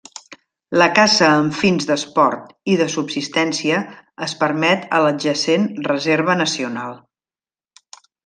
La caça amb fins d'esport i de subsistència es permet a l'adjacent reserva nacional.